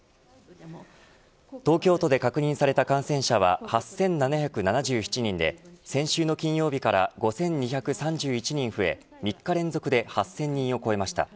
東京都で確認された感染者は８７７７人で先週の金曜日から５２３１人増え３日連続で８０００人を超えました。